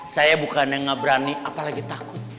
saya bukan yang ngeberani apalagi takut